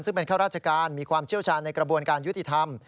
ซึ่งเป็นข้าราชการมีความเชี่ยวชาญในกระบวนการยุติธรรม